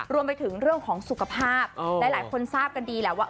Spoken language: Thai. รวมไปถึงเรื่องของสุขภาพหลายคนทราบกันดีแหละว่า